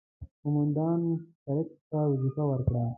قوماندان کرېګ ته وظیفه ورکړه.